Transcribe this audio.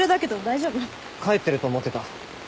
帰ってると思ってた。